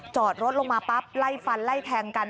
จอดรถลงมาปั๊บไล่ฟันไล่แทงกัน